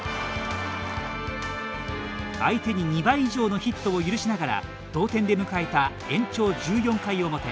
相手に２倍以上のヒットを許しながら同点で迎えた延長１４回表。